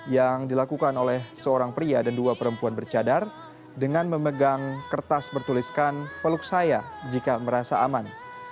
yang dilakukan oleh seorang pria dan dua perempuan bercadar dengan memegang kertas bertuliskan peluk saya jika merasa aman